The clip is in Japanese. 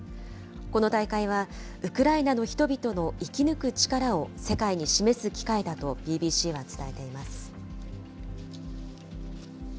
この大会は、ウクライナの人々の生き抜く力を世界に示す機会だとＢＢＣは伝えています。